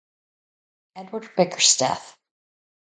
Edward Bickersteth.